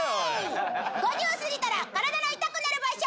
５０過ぎたら体の痛くなる場所！